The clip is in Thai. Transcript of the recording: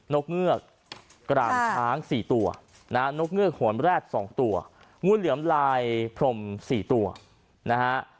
กเงือกกรามช้างสี่ตัวนะฮะนกเงือกโหนแรด๒ตัวงูเหลือมลายพรม๔ตัวนะฮะ